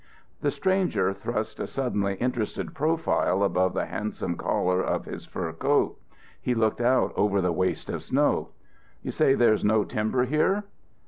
The stranger thrust a suddenly interested profile above the handsome collar of his fur coat. He looked out over the waste of snow. "You say there's no timber here?"